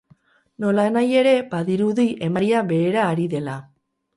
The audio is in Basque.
Nolanahi ere, badirudi emaria behera ari dela.